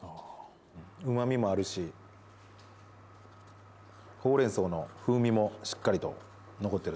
うまみもあるし、ほうれんそうの風味もしっかりと残ってる。